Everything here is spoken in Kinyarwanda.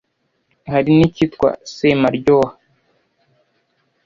hari n' icyitwa semaryoha,